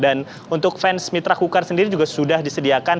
dan untuk fans mitra kukar sendiri juga sudah disediakan